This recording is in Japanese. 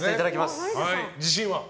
自信は？